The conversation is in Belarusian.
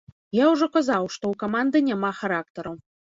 Я ўжо казаў, што ў каманды няма характару.